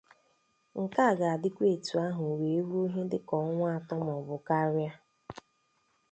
nke a ga-adịkwa etu ahụ wee ruo ihe dịka ọnwa atọ maọbụ karịa